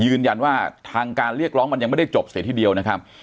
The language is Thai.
ยืนยันว่าทางการเรียกร้องมันยังไม่ได้จบเสียทีเดียวนะครับ